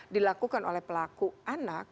dilakukan oleh pelaku anak